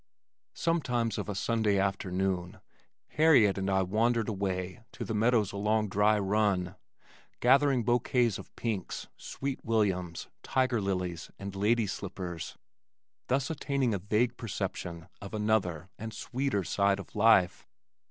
Sometimes of a Sunday afternoon, Harriet and I wandered away to the meadows along Dry Run, gathering bouquets of pinks, sweet williams, tiger lilies and lady slippers, thus attaining a vague perception of another and sweeter side of life.